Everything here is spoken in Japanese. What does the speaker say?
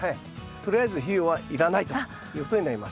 とりあえず肥料はいらないということになります。